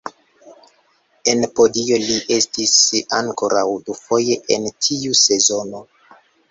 En podio li estis ankoraŭ dufoje en tiu sezono.